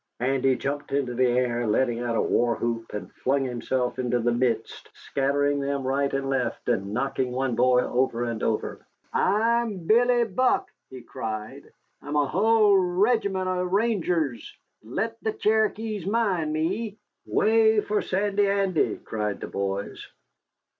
Andy jumped into the air, let out a war whoop, and flung himself into the midst, scattering them right and left, and knocking one boy over and over. "I'm Billy Buck!" he cried. "I'm a hull regiment o' Rangers. Let th' Cherokees mind me!" "Way for Sandy Andy!" cried the boys.